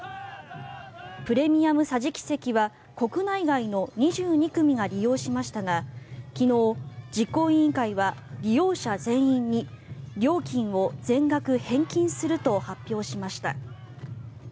プレミアム桟敷席は国内外の２２組が利用しましたが昨日、実行委員会は利用者全員に料金を全額返金すると発表しました。